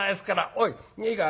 おいいいか？